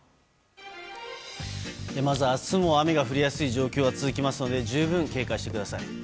まず明日も雨が降りやすい状況が続きますので十分警戒してください。